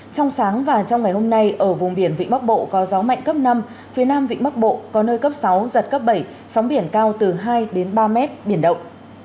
trong sáng và trong ngày hôm nay ở vùng biển vịnh bắc bộ có gió mạnh cấp năm phía nam vịnh bắc bộ có nơi cấp sáu giật cấp bảy sóng biển cao từ hai ba m biển động